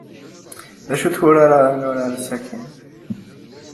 D acu n wurar ara nurar sakkin?